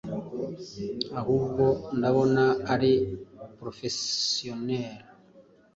ahubwo ndabona ari professional